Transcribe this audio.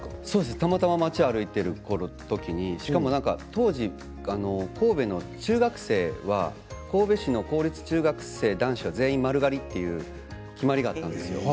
たまたま町を歩いている時に、しかも当時神戸の中学生は神戸市の公立中学生男子は全員丸刈りという決まりがあったんです。